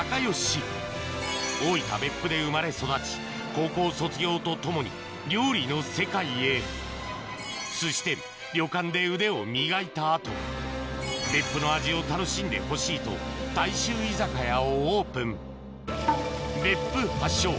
高校卒業とともに料理の世界へすし店旅館で腕を磨いた後別府の味を楽しんでほしいと大衆居酒屋をオープン別府発祥